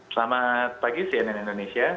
selamat pagi cnn indonesia